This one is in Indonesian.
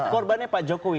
korbannya pak jokowi